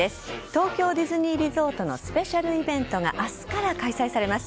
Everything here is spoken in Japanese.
東京ディズニーリゾートのスペシャルイベントが明日から開催されます。